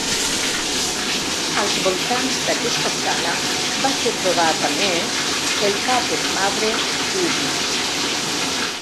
Als voltants d'aquesta sala va ser trobat a més el cap en marbre d'Isis.